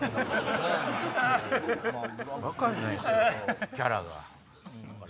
分かんないっすよキャラが。